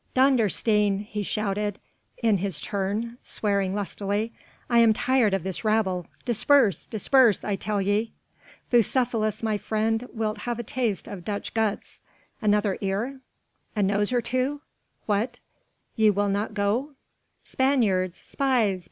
"Dondersteen!" he shouted in his turn, swearing lustily, "I am tired of this rabble. Disperse! disperse, I tell ye! Bucephalus my friend wilt have a taste of Dutch guts? Another ear? a nose or two? What, ye will not go?" "Spaniards! Spies!